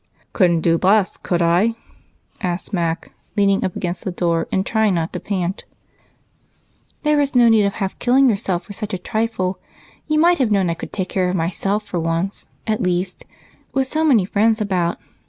"Couldn't do less, could I?" asked Mac, leaning up against the door and trying not to pant. "There was no need of half killing yourself for such a trifle. You might have known I could take care of myself for once, at least, with so many friends about.